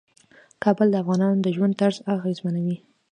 کابل د افغانانو د ژوند طرز اغېزمنوي.